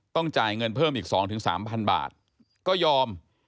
ต้องจ่ายเงินเพิ่มอีกสองถึงสามพันบาทก็ยอม